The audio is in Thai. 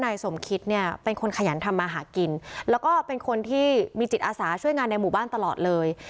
นายสมคิตเนี่ยเป็นคนขยันทำมาหากินแล้วก็เป็นคนที่มีจิตอาสาช่วยงานในหมู่บ้านตลอดเลย